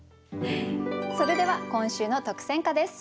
それでは今週の特選歌です。